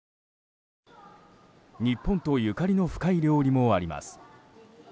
日本とゆかりの深い料理もあります。